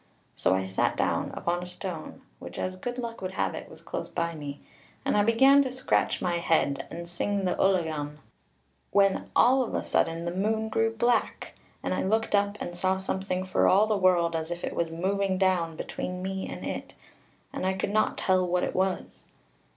So I sat down upon a stone which, as good luck would have it, was close by me, and I began to scratch my head, and sing the Ullagone when all of a sudden the moon grew black, and I looked up, and saw something for all the world as if it was moving down between me and it, and I could not tell what it was.